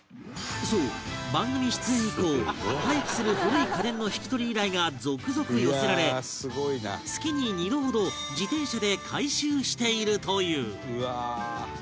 そう、番組出演以降廃棄する古い家電の引き取り依頼が続々寄せられ月に２度ほど自転車で回収しているという伊達：うわー！